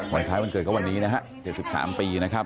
คล้ายวันเกิดก็วันนี้นะฮะ๗๓ปีนะครับ